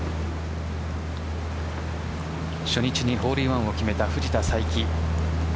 初日にホールインワンを決めた藤田さいき。